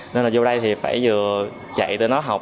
nên là vô đây thì phải vừa chạy tới nó học